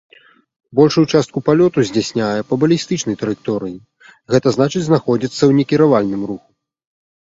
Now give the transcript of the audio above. Большую частку палёту здзяйсняе па балістычнай траекторыі, гэта значыць знаходзіцца ў некіравальным руху.